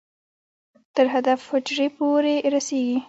تر هدف حجرې پورې رسېږي.